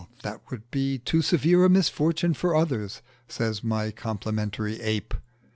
"That would be too severe a misfortune for others," says my complimentary ape.